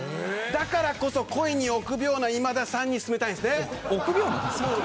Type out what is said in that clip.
だからこそ恋に臆病な今田さんに臆病なんですか。